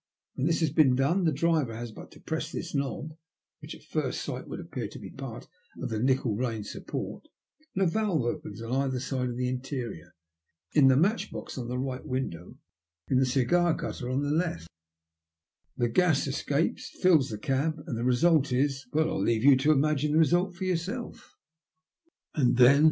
When this has been done the driver has but to press this knob, which at first sight would appear to be part of the nickel rein support, and a valve opens on either side of the interior — ^in the match box in the right window, in the cigar cutter in the left; the gas escapes, fills the cab, and the result is — well, I will leave you to imagine the result for yourself." "And then?"